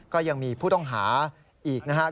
ก็ยังมีผู้ต้องหาอีกนะครับ